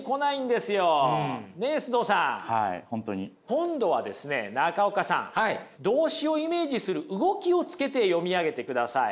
今度はですね中岡さん動詞をイメージする動きをつけて読みあげてください。